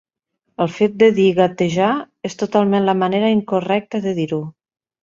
El fet de dir "gatejar" és totalment la manera incorrecta de dir-ho.